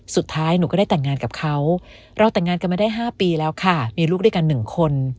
สุดท้ายหนูก็ได้แต่งงานกับเขาเราแต่งงานกันมาได้๕ปีแล้วค่ะมีลูกด้วยกัน๑คน